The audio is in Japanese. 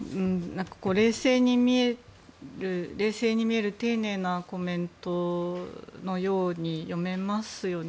冷静に見える丁寧なコメントのように読めますよね。